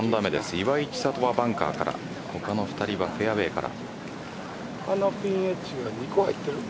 岩井千怜はバンカーから他の２人はフェアウエーから。